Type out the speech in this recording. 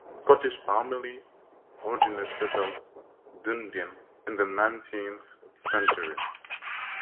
Scottish families originally settled Dunedin in the nineteenth century.